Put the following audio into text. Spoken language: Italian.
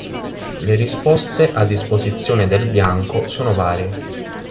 Le risposte a disposizione del Bianco sono varie.